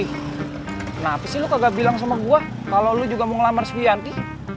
kenapa sih lu kagak bilang sama gua kalo lu juga mau ngelamar suyanti